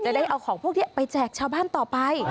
ได้เอาของพวกนี้ไปแจกชาวบ้านต่อไป